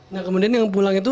nah kemudian yang pulang itu